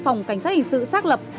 phòng cảnh sát hình sự xác lập